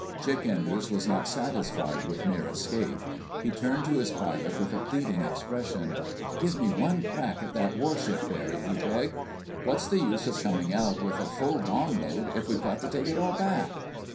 Chick Enders was not satisfied with mere escape. He turned to his pilot with a pleading expression. "Give me one crack at that warship, Barry," he begged. "What's the use of coming out with a full bomb load if we've got to take it all back?"